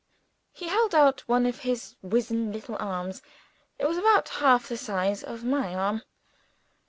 He held out one of his wizen little arms. It was about half the size of my arm.